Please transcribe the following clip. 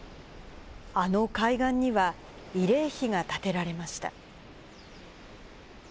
あの海岸には、慰霊碑が建てられました。